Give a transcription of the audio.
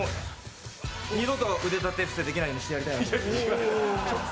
二度と腕立て伏せできないようにしてやろうと思っています。